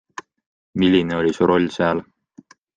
Milline oli su roll seal?